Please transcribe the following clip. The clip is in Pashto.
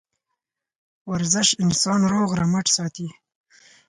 ورزش انسان روغ رمټ ساتي